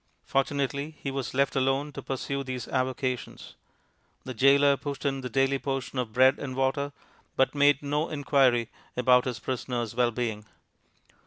Fortunately he was left alone to pursue these avocations. The goaler pushed in the daily portion of bread and water, but made no inquiry about his prisoner's well being.